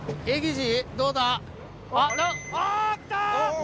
どうだ？